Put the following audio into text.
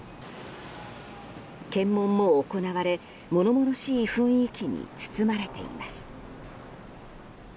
検問も行われ、物々しい雰囲気に包まれています。